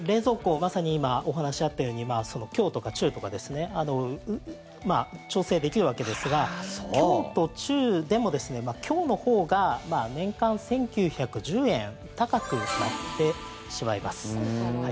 まさに今、お話あったように強とか中とかですね調整できるわけですが強と中でも、強のほうが年間１９１０円高くなってしまいます。